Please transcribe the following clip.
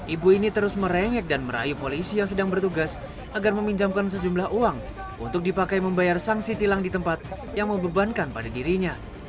ibu ini terus merengek dan merayu polisi yang sedang bertugas agar meminjamkan sejumlah uang untuk dipakai membayar sanksi tilang di tempat yang membebankan pada dirinya